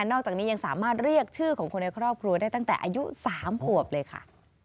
อกจากนี้ยังสามารถเรียกชื่อของคนในครอบครัวได้ตั้งแต่อายุ๓ขวบเลยค่ะ